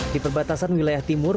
di perbatasan wilayah timur